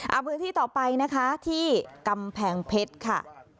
เอาพื้นที่ต่อไปนะคะที่กำแพงเพชรค่ะ